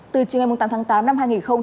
từ chương tám tháng tám năm hai nghìn hai mươi